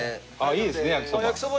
いいですね焼きそば。